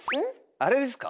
あれですか。